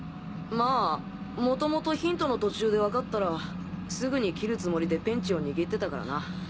まあ元々ヒントの途中でわかったらすぐに切るつもりでペンチを握ってたからな。